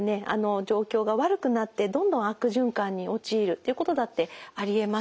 状況が悪くなってどんどん悪循環に陥るっていうことだってありえます。